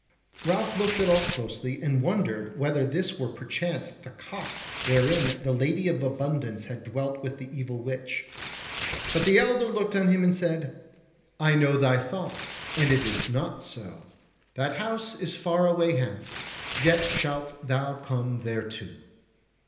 Ralph looked at all closely, and wondered whether this were perchance the cot wherein the Lady of Abundance had dwelt with the evil witch. But the elder looked on him, and said: "I know thy thought, and it is not so; that house is far away hence; yet shalt thou come thereto.